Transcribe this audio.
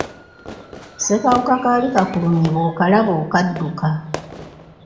Ssekawuka kaali kakulumye bw'okalaba okadduka.